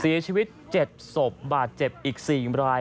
เสียชีวิต๗ศพบาดเจ็บอีก๔ราย